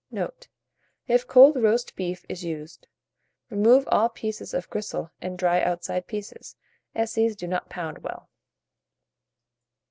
Note. If cold roast beef is used, remove all pieces of gristle and dry outside pieces, as these do not pound well.